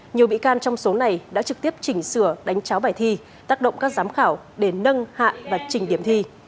nhiều bị can trong số này đã trực tiếp chỉnh sửa đánh cháo bài thi tác động các giám khảo để nâng hạ và chỉnh điểm thi